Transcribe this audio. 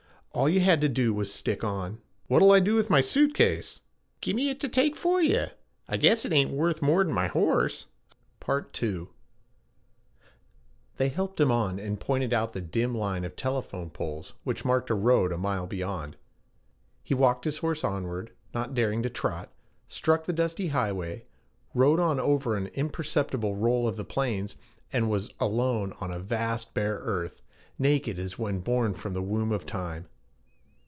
All you had to do was to stick on. 'What'll I do with my suit case?' 'Gimme it to take for you. I guess it ain't worth more'n my horse.' II They helped him on, and pointed out the dim line of telephone poles which marked a road a mile beyond. He walked his horse onward, not daring to trot, struck the dusty highway, rode on over an imperceptible roll of the plains, and was alone on a vast bare earth, naked as when born from the womb of time.